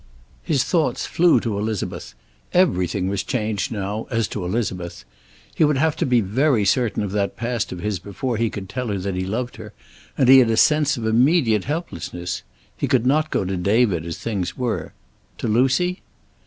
His thoughts flew to Elizabeth. Everything was changed now, as to Elizabeth. He would have to be very certain of that past of his before he could tell her that he loved her, and he had a sense of immediate helplessness. He could not go to David, as things were. To Lucy?